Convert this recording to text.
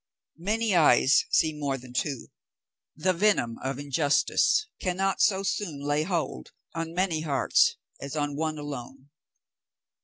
Many eyes see more than two; the venom of injustice cannot so soon lay hold on many hearts as on one alone."